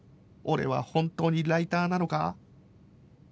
俺は本当にライターなのか？